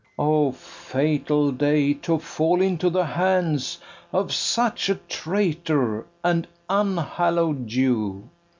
O fatal day, to fall into the hands Of such a traitor and unhallow'd Jew!